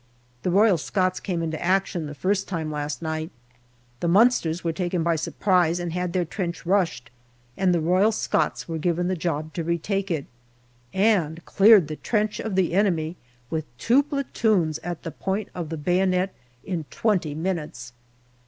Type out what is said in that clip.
The Royal Scots came into action the first time last night. The Munsters were taken by surprise and had their trench rushed, and the Royal Scots were given the job to retake it, and cleared the trench of the enemy with two platoons at the point of the bayonet in twenty minutes.